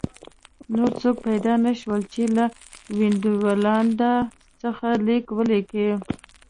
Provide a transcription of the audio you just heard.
نور څوک پیدا نه شول چې له وینډولانډا څخه لیک ولیکي